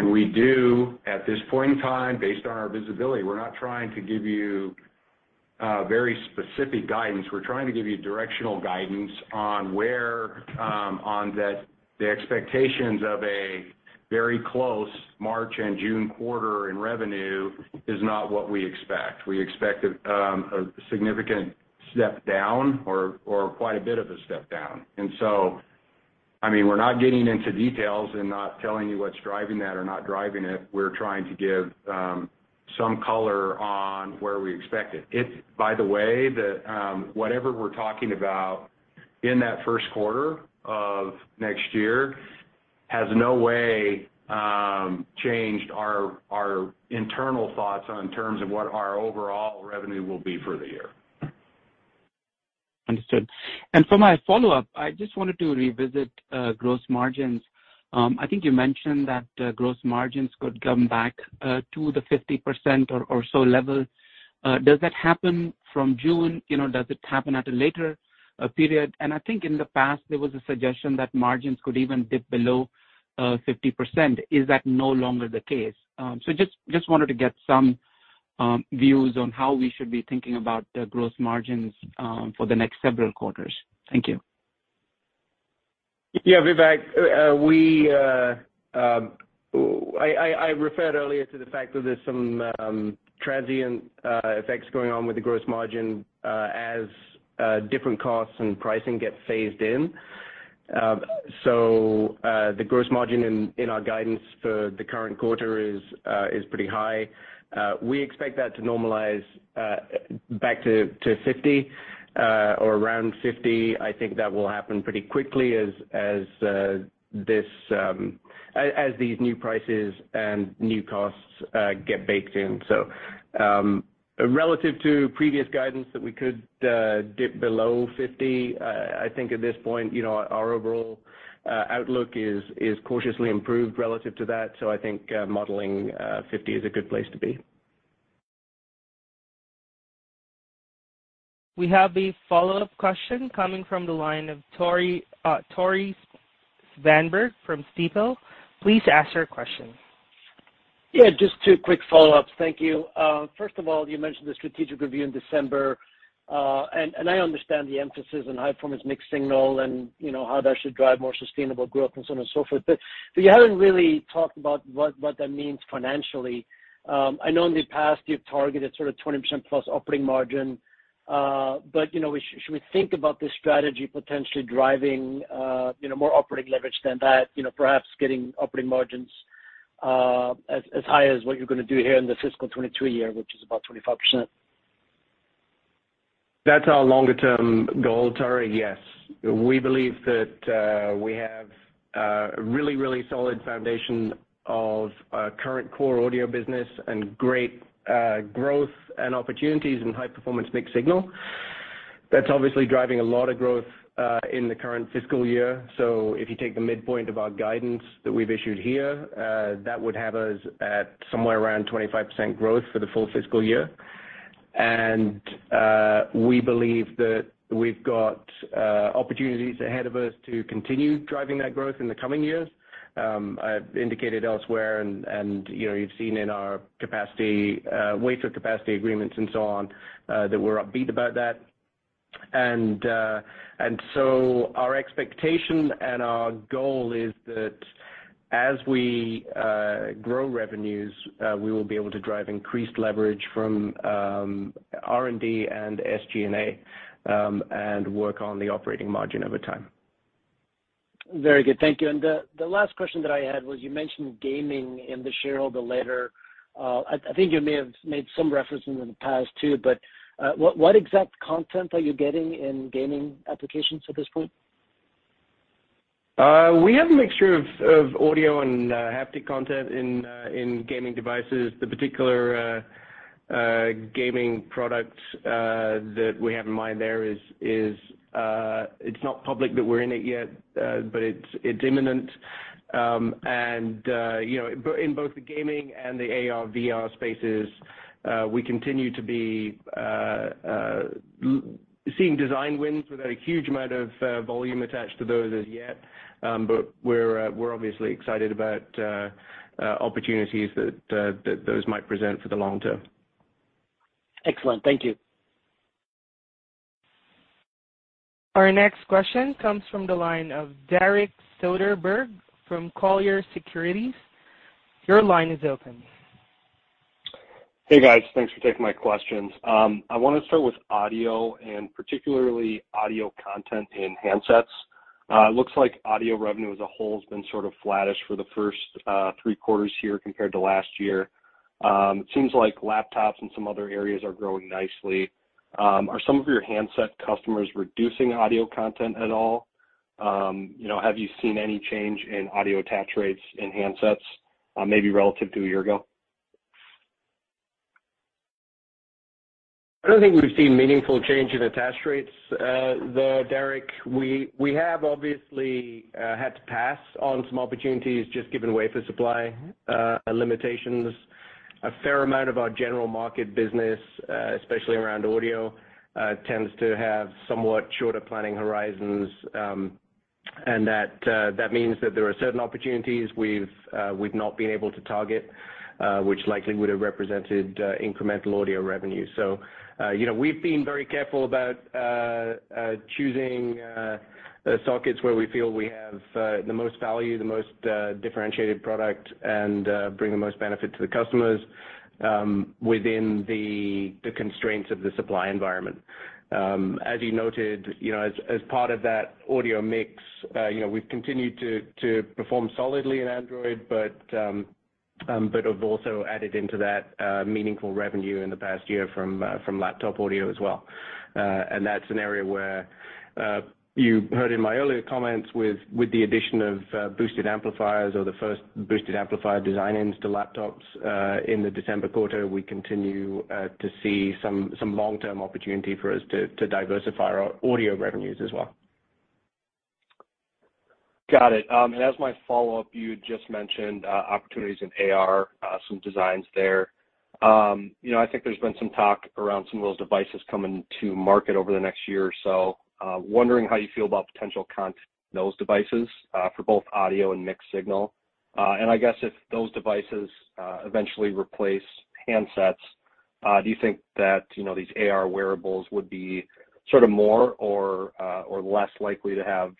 We do at this point in time, based on our visibility, we're not trying to give you very specific guidance. We're trying to give you directional guidance on where on that the expectations of a very close March and June quarter in revenue is not what we expect. We expect a significant step down or quite a bit of a step down. I mean, we're not getting into details and not telling you what's driving that or not driving it. We're trying to give some color on where we expect it. It's by the way that whatever we're talking about in that first quarter of next year has no way changed our internal thoughts in terms of what our overall revenue will be for the year. Understood. For my follow-up, I just wanted to revisit gross margins. I think you mentioned that gross margins could come back to the 50% or so level. Does that happen from June? You know, does it happen at a later period? I think in the past there was a suggestion that margins could even dip below 50%. Is that no longer the case? Just wanted to get some views on how we should be thinking about the gross margins for the next several quarters. Thank you. Yeah, Vivek, I referred earlier to the fact that there's some transient effects going on with the gross margin, as different costs and pricing get phased in. The gross margin in our guidance for the current quarter is pretty high. We expect that to normalize back to 50% or around 50%. I think that will happen pretty quickly as these new prices and new costs get baked in. Relative to previous guidance that we could dip below 50%, I think at this point, you know, our overall outlook is cautiously improved relative to that. I think modeling 50% is a good place to be. We have a follow-up question coming from the line of Tore Svanberg from Stifel. Please ask your question. Yeah, just two quick follow-ups. Thank you. First of all, you mentioned the strategic review in December. I understand the emphasis on High-Performance Mixed-Signal and, you know, how that should drive more sustainable growth and so on and so forth. You haven't really talked about what that means financially. I know in the past you've targeted sort of 20%+ operating margin. You know, should we think about this strategy potentially driving, you know, more operating leverage than that? You know, perhaps getting operating margins as high as what you're gonna do here in the fiscal 2023 year, which is about 25%. That's our longer term goal, Tory, yes. We believe that we have a really solid foundation of our current core audio business and great growth and opportunities in High-Performance Mixed-Signal. That's obviously driving a lot of growth in the current fiscal year. If you take the midpoint of our guidance that we've issued here, that would have us at somewhere around 25% growth for the full fiscal year. We believe that we've got opportunities ahead of us to continue driving that growth in the coming years. I've indicated elsewhere and you know, you've seen in our capacity wafer capacity agreements and so on that we're upbeat about that. Our expectation and our goal is that as we grow revenues, we will be able to drive increased leverage from R&D and SG&A, and work on the operating margin over time. Very good. Thank you. The last question that I had was you mentioned gaming in the shareholder letter. I think you may have made some references in the past too, but what exact content are you getting in gaming applications at this point? We have a mixture of audio and haptic content in gaming devices. The particular gaming product that we have in mind there is. It's not public that we're in it yet, but it's imminent. You know, in both the gaming and the AR/VR spaces, we continue to be seeing design wins without a huge amount of volume attached to those as yet. We're obviously excited about opportunities that those might present for the long term. Excellent. Thank you. Our next question comes from the line of Derek Soderberg from Colliers Securities. Your line is open. Hey, guys. Thanks for taking my questions. I wanna start with audio and particularly audio content in handsets. It looks like audio revenue as a whole has been sort of flattish for the first three quarters here compared to last year. It seems like laptops and some other areas are growing nicely. Are some of your handset customers reducing audio content at all? You know, have you seen any change in audio attach rates in handsets, maybe relative to a year ago? I don't think we've seen meaningful change in attach rates, there, Derek. We have obviously had to pass on some opportunities just given wafer supply limitations. A fair amount of our general market business, especially around audio, tends to have somewhat shorter planning horizons, and that means that there are certain opportunities we've not been able to target, which likely would have represented incremental audio revenue. You know, we've been very careful about choosing sockets where we feel we have the most value, the most differentiated product, and bring the most benefit to the customers, within the constraints of the supply environment. As you noted, you know, as part of that audio mix, you know, we've continued to perform solidly in Android, but have also added into that from laptop audio as well. That's an area where you heard in my earlier comments with the addition of boosted amplifiers or the first boosted amplifier design-ins to laptops in the December quarter, we continue to see some long-term opportunity for us to diversify our audio revenues as well. Got it. As my follow-up, you just mentioned opportunities in AR, some designs there. You know, I think there's been some talk around some of those devices coming to market over the next year or so. Wondering how you feel about potential content in those devices for both audio and mixed signal. I guess if those devices eventually replace handsets, do you think that, you know, these AR wearables would be sort of more or less likely to have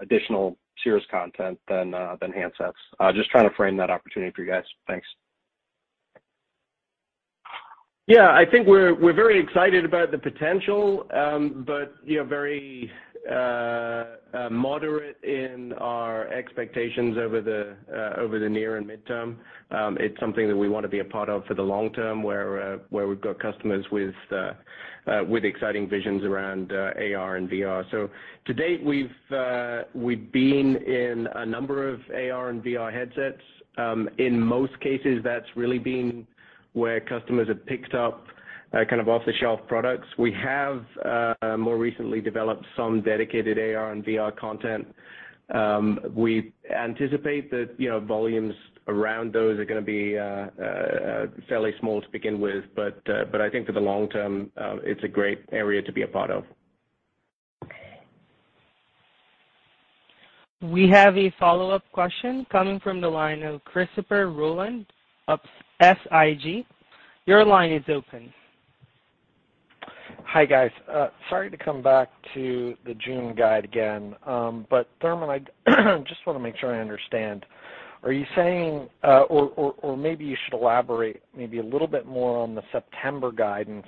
additional Cirrus content than handsets? Just trying to frame that opportunity for you guys. Thanks. Yeah. I think we're very excited about the potential, but, you know, very moderate in our expectations over the near and midterm. It's something that we wanna be a part of for the long term, where we've got customers with exciting visions around AR and VR. To date, we've been in a number of AR and VR headsets. In most cases, that's really been where customers have picked up kind of off-the-shelf products. We have more recently developed some dedicated AR and VR content. We anticipate that, you know, volumes around those are gonna be fairly small to begin with. But I think for the long term, it's a great area to be a part of. We have a follow-up question coming from the line of Christopher Rolland of SIG. Your line is open. Hi, guys. Sorry to come back to the June guide again. Thurman, I just wanna make sure I understand. Are you saying, or maybe you should elaborate maybe a little bit more on the September guidance.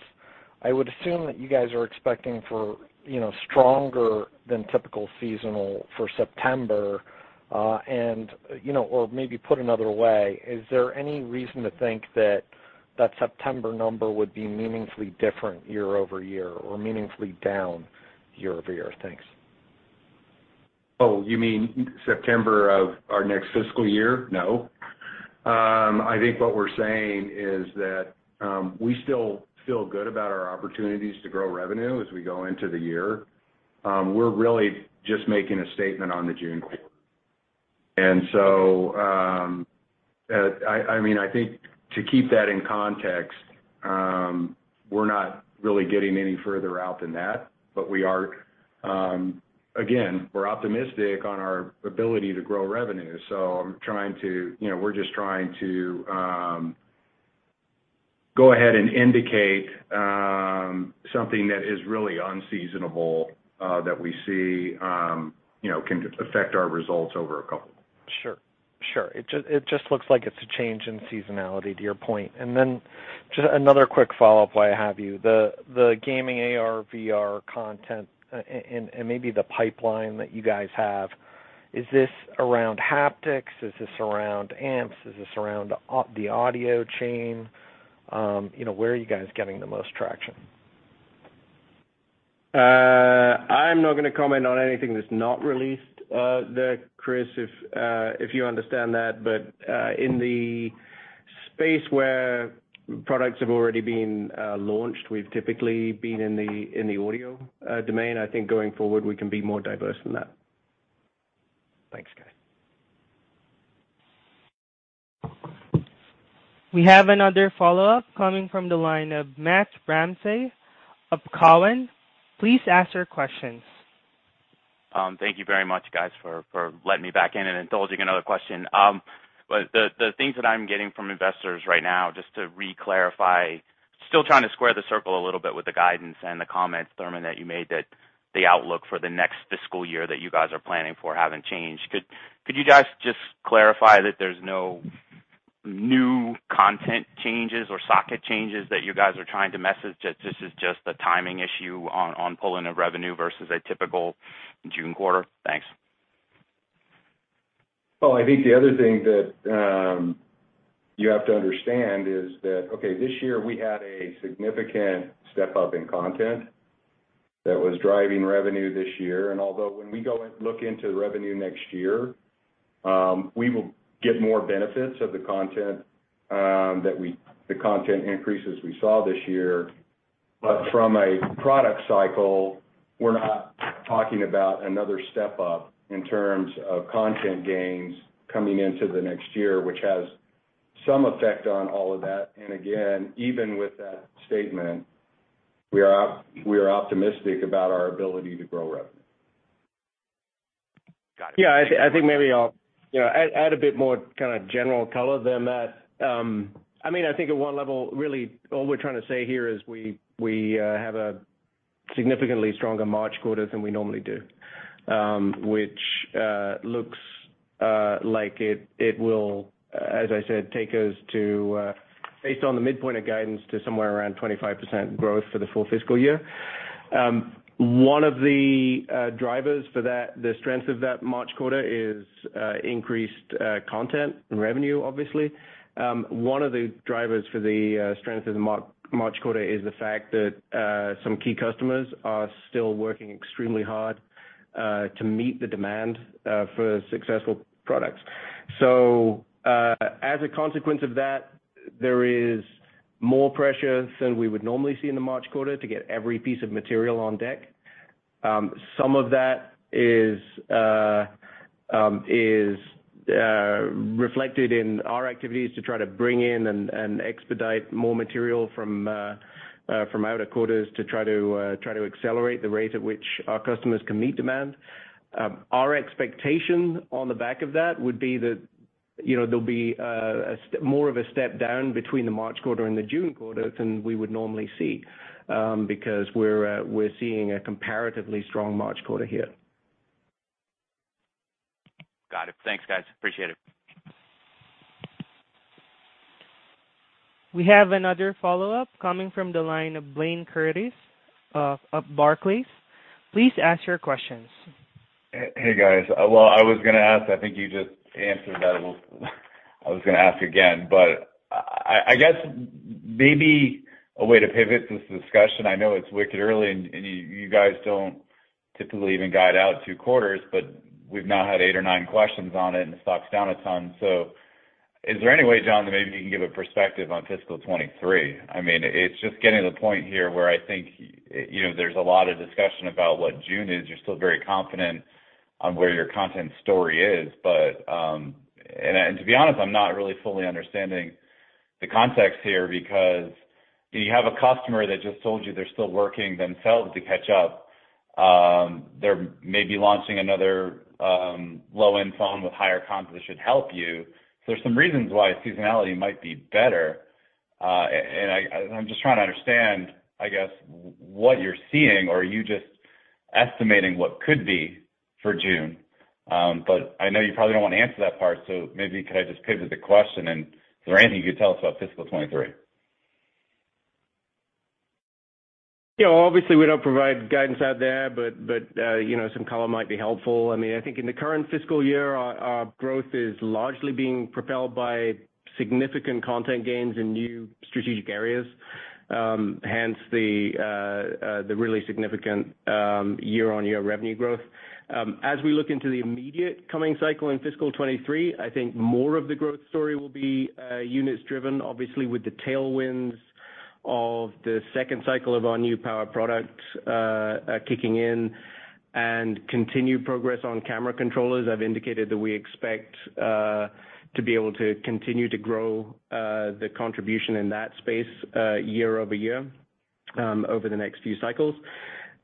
I would assume that you guys are expecting for, you know, stronger than typical seasonal for September. You know, or maybe put another way, is there any reason to think that September number would be meaningfully different year-over-year or meaningfully down year-over-year? Thanks. Oh, you mean September of our next fiscal year? No. I think what we're saying is that we still feel good about our opportunities to grow revenue as we go into the year. We're really just making a statement on the June quarter. I mean, I think to keep that in context, we're not really getting any further out than that, but we are again optimistic on our ability to grow revenue. I'm trying to, you know, we're just trying to go ahead and indicate something that is really unseasonable that we see, you know, can affect our results over a couple. Sure. It just looks like it's a change in seasonality to your point. Then just another quick follow-up while I have you. The gaming AR/VR content and maybe the pipeline that you guys have, is this around haptics? Is this around amps? Is this around the audio chain? You know, where are you guys getting the most traction? I'm not gonna comment on anything that's not released there, Chris. If you understand that. In the space where products have already been launched, we've typically been in the audio domain. I think going forward, we can be more diverse than that. Thanks, guys. We have another follow-up coming from the line of Matthew Ramsay of Cowen. Please ask your questions. Thank you very much, guys, for letting me back in and indulging another question. The things that I'm getting from investors right now, just to re-clarify, still trying to square the circle a little bit with the guidance and the comments, Thurman, that you made that the outlook for the next fiscal year that you guys are planning for haven't changed. Could you guys just clarify that there's no new content changes or socket changes that you guys are trying to message? That this is just a timing issue on pulling of revenue versus a typical June quarter. Thanks. Well, I think the other thing that you have to understand is that, okay, this year we had a significant step up in content that was driving revenue this year. Although when we go and look into revenue next year, we will get more benefits of the content, the content increases we saw this year. From a product cycle, we're not talking about another step up in terms of content gains coming into the next year, which has some effect on all of that. Again, even with that statement, we are optimistic about our ability to grow revenue. Got it. Yeah. I think maybe I'll add a bit more kinda general color there, Matt. I mean, I think at one level, really all we're trying to say here is we have a significantly stronger March quarter than we normally do, which looks like it will, as I said, take us to, based on the midpoint of guidance, to somewhere around 25% growth for the full fiscal year. One of the drivers for that, the strength of that March quarter is increased content revenue, obviously. One of the drivers for the strength of the March quarter is the fact that some key customers are still working extremely hard to meet the demand for successful products. As a consequence of that, there is more pressure than we would normally see in the March quarter to get every piece of material on deck. Some of that is reflected in our activities to try to bring in and expedite more material from our other quarters to try to accelerate the rate at which our customers can meet demand. Our expectation on the back of that would be that, you know, there'll be more of a step down between the March quarter and the June quarter than we would normally see, because we're seeing a comparatively strong March quarter here. Got it. Thanks, guys. Appreciate it. We have another follow-up coming from the line of Blayne Curtis of Barclays. Please ask your questions. Hey guys. Well, I was gonna ask, I think you just answered that. I was gonna ask again, but I guess maybe a way to pivot this discussion. I know it's wicked early and you guys don't typically even guide out two quarters, but we've now had eight or nine questions on it and the stock's down a ton. Is there any way, John, that maybe you can give a perspective on fiscal 2023? I mean, it's just getting to the point here where I think, you know, there's a lot of discussion about what June is. You're still very confident on where your content story is. And to be honest, I'm not really fully understanding the context here because you have a customer that just told you they're still working themselves to catch up. They're maybe launching another low-end phone with higher comp that should help you. There's some reasons why seasonality might be better. I'm just trying to understand, I guess, what you're seeing, or are you just estimating what could be for June? I know you probably don't wanna answer that part, so maybe could I just pivot the question and is there anything you could tell us about fiscal 2023? Yeah. Obviously, we don't provide guidance out there, but, you know, some color might be helpful. I mean, I think in the current fiscal year, our growth is largely being propelled by significant content gains in new strategic areas, hence the really significant year-on-year revenue growth. As we look into the immediate coming cycle in fiscal 2023, I think more of the growth story will be units driven, obviously with the tailwinds of the second cycle of our new power product kicking in and continued progress on camera controllers. I've indicated that we expect to be able to continue to grow the contribution in that space year-over-year over the next few cycles.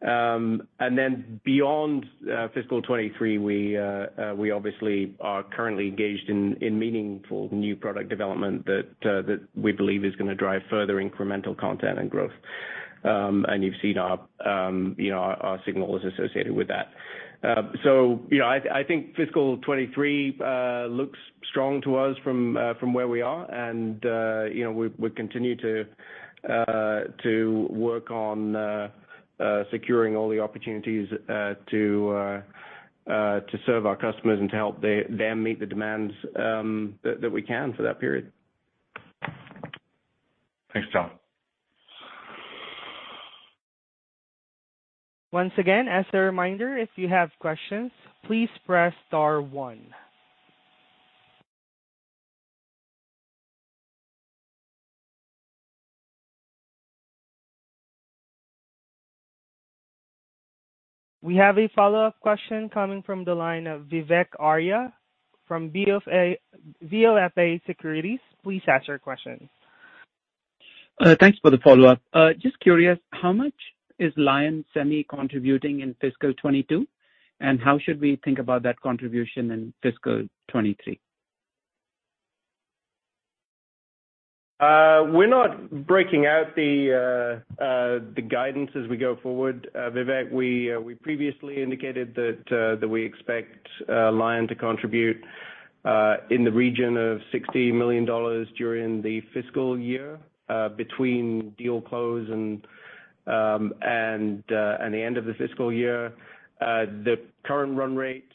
Beyond fiscal 2023, we obviously are currently engaged in meaningful new product development that we believe is gonna drive further incremental content and growth. You've seen our, you know, our signals associated with that. You know, I think fiscal 2023 looks strong to us from where we are. You know, we continue to work on securing all the opportunities to serve our customers and to help them meet the demands that we can for that period. Thanks, John. Once again, as a reminder, if you have questions, please press star one. We have a follow question coming from the line of Vivek Arya from BofA Securities. Please ask your question. Thanks for the follow-up. Just curious, how much is Lion Semi contributing in fiscal 2022? How should we think about that contribution in fiscal 2023? We're not breaking out the guidance as we go forward, Vivek. We previously indicated that we expect Lion to contribute in the region of $60 million during the fiscal year between deal close and the end of the fiscal year. The current run rate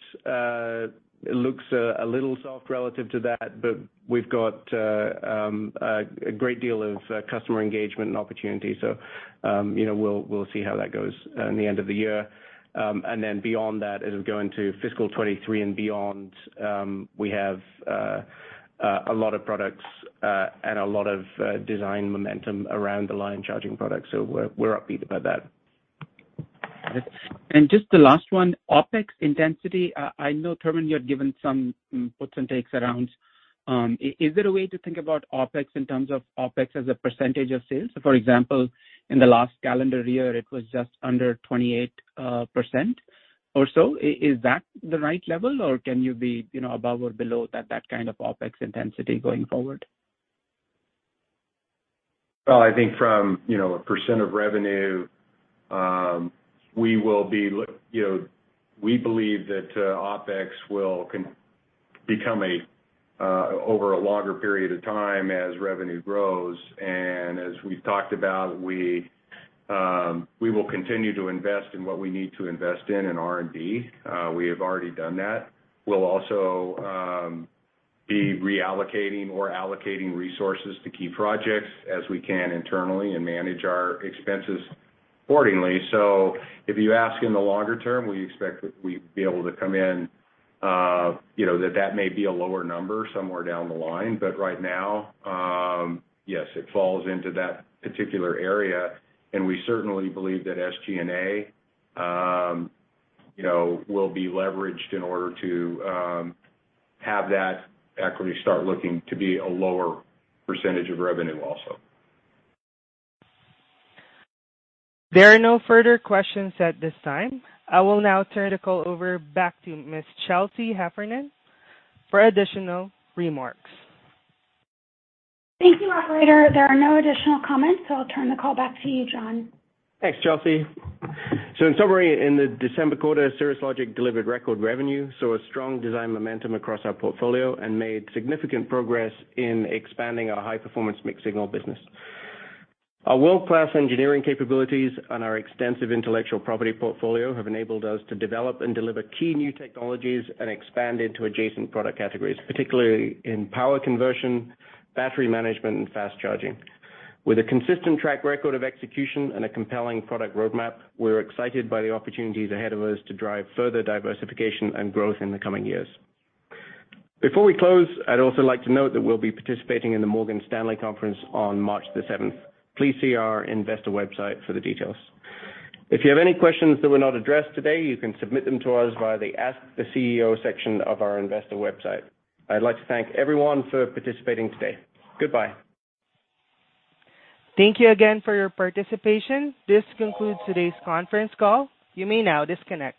looks a little soft relative to that, but we've got a great deal of customer engagement and opportunity. You know, we'll see how that goes in the end of the year. Then beyond that, as we go into fiscal 2023 and beyond, we have a lot of products and a lot of design momentum around the Lion charging product. We're upbeat about that. Just the last one. OpEx intensity. I know, Thurman, you had given some puts and takes around. Is there a way to think about OpEx in terms of OpEx as a percentage of sales? For example, in the last calendar year, it was just under 28% or so. Is that the right level, or can you be, you know, above or below that kind of OpEx intensity going forward? Well, I think from a percent of revenue, we will be, you know, we believe that OpEx will become lower over a longer period of time as revenue grows. As we've talked about, we will continue to invest in what we need to invest in R&D. We have already done that. We'll also be reallocating or allocating resources to key projects as we can internally and manage our expenses accordingly. If you ask in the longer term, we expect that we'd be able to come in, you know, that may be a lower number somewhere down the line. Right now, yes, it falls into that particular area. We certainly believe that SG&A, you know, will be leveraged in order to have that SG&A start looking to be a lower percentage of revenue also. There are no further questions at this time. I will now turn the call back over to Ms. Chelsea Heffernan for additional remarks. Thank you, operator. There are no additional comments, so I'll turn the call back to you, John. Thanks, Chelsea. In summary, in the December quarter, Cirrus Logic delivered record revenue, saw a strong design momentum across our portfolio, and made significant progress in expanding our High-Performance Mixed-Signal business. Our world-class engineering capabilities and our extensive intellectual property portfolio have enabled us to develop and deliver key new technologies and expand into adjacent product categories, particularly in power conversion, battery management, and fast charging. With a consistent track record of execution and a compelling product roadmap, we're excited by the opportunities ahead of us to drive further diversification and growth in the coming years. Before we close, I'd also like to note that we'll be participating in the Morgan Stanley conference on March 7. Please see investor.cirrus.com for the details. If you have any questions that were not addressed today, you can submit them to us via the Ask the CEO section of our investor website. I'd like to thank everyone for participating today. Goodbye. Thank you again for your participation. This concludes today's conference call. You may now disconnect.